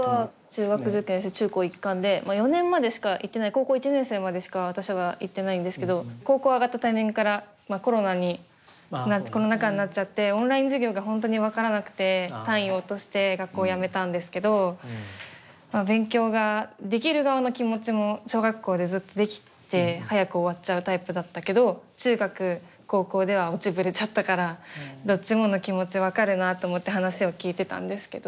高校１年生までしか私は行ってないんですけど高校上がったタイミングからまあコロナにコロナ禍になっちゃってオンライン授業が本当に分からなくて単位を落として学校やめたんですけどまあ勉強ができる側の気持ちも。小学校でずっとできて早く終わっちゃうタイプだったけど中学高校では落ちぶれちゃったからどっちもの気持ち分かるなって思って話を聞いてたんですけど。